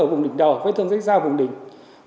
ở vùng đỉnh đầu vùng đỉnh ra